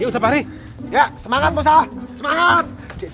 semangat musa semangat